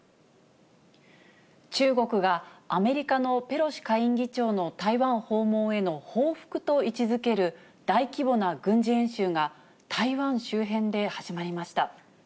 中国がアメリカのペロシ下院議長の台湾訪問への報復と位置づける大規模な軍事演習が、台湾周辺で始まりました。